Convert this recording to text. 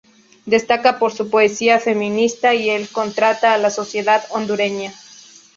Destacada por su poesía feminista y en contra de la sociedad hondureña.